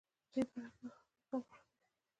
په دی باره کی اوس خبری کول وختی دی